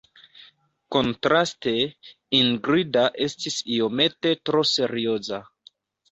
Kontraste, Ingrida estis iomete tro serioza.